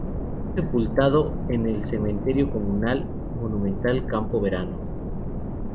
Fue sepultado en el Cementerio comunal monumental Campo Verano.